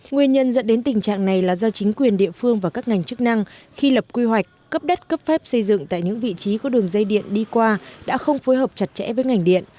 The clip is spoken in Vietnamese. nguyên nhân dẫn đến tình trạng này là do chính quyền địa phương và các ngành chức năng khi lập quy hoạch cấp đất cấp phép xây dựng tại những vị trí có đường dây điện đi qua đã không phối hợp chặt chẽ với ngành điện